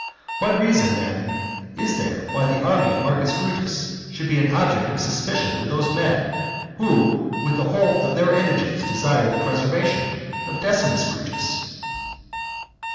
What reason, then, is there why the army of Marcus Brutus should be an object of suspicion to those men who with the whole of their energies desire the preservation of Decimus Brutus?